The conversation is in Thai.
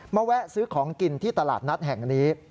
แวะซื้อของกินที่ตลาดนัดแห่งนี้